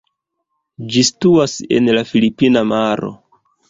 Ĝi situas en la filipina maro.